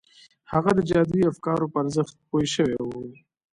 هغه د جادویي افکارو په ارزښت پوه شوی و